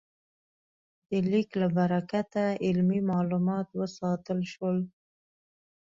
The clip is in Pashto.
د لیک له برکته علمي مالومات وساتل شول.